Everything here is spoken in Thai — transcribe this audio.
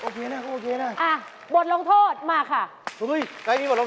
เท่าไหร่ครับ